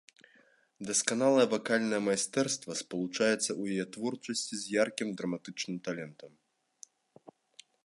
Дасканалае вакальнае майстэрства спалучаецца ў яе творчасці з яркім драматычным талентам.